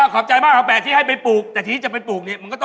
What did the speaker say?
มันเหม็นอย่างงี้ใครจะไปกินได้